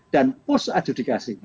dan post adjudikasi